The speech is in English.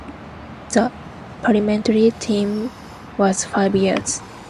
The parliamentary term was five years.